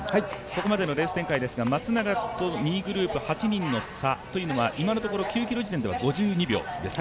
ここまでのレース展開ですが松永と２位グループ８人の差というのが今のところ９ｋｍ地点では５２秒です。